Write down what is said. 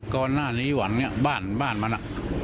ก่อนหน้านี้หวังเนี่ยบ้านบ้านมันอ่ะ